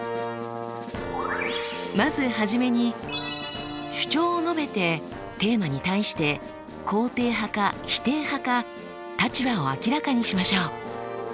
まずはじめに主張を述べてテーマに対して肯定派か否定派か立場を明らかにしましょう。